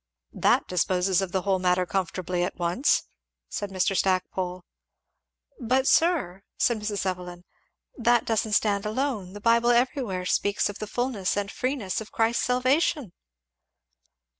'" "That disposes of the whole matter comfortably at once," said Mr. Stackpole. "But, sir," said Mrs. Evelyn, "that doesn't stand alone the Bible everywhere speaks of the fulness and freeness of Christ's salvation?"